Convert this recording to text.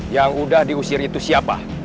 yang udah diusir itu siapa